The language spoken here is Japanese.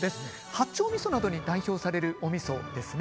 八丁味噌などに代表されるお味噌ですね。